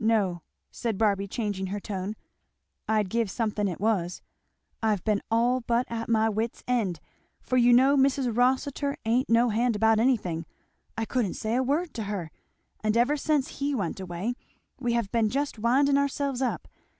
"No," said Barby changing her tone. "I'd give something it was. I've been all but at my wit's end; for you know Mis' Rossitur ain't no hand about anything I couldn't say a word to her and ever since he went away we have been just winding ourselves up.